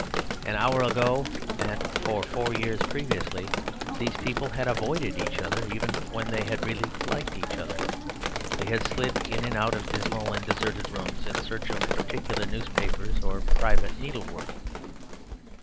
An hour ago, and for four years previously, these people had avoided each other, even when they had really liked each other. They had slid in and out of dismal and deserted rooms in search of particular newspapers or private needlework.